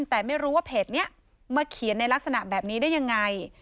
แต่ไม่รู้ว่าเพจนี้มาเขียนในลักษณะแบบนี้ได้ยังไง